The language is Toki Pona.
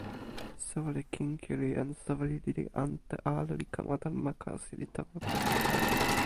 soweli Kinkili en soweli lili ante ale li kama tan ma kasi, li tawa poka telo.